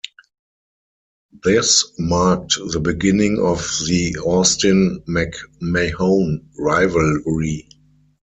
This marked the beginning of the Austin-McMahon rivalry.